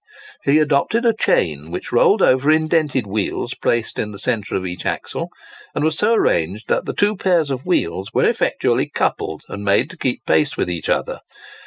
He adopted a chain which rolled over indented wheels placed on the centre of each axle, and was so arranged that the two pairs of wheels were effectually coupled and made to keep pace with each other.